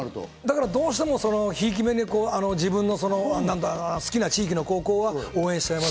どうしても贔屓めに、自分の好きな地域の高校は応援しちゃいます。